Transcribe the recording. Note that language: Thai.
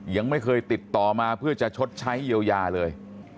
ยังไม่เคยติดต่อมาเพื่อจะชดใช้เยียวยาเลย